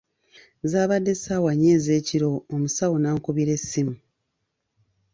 Zabadde ssaawa nnya ez’ekiro, omusawo n’ankubira essimu.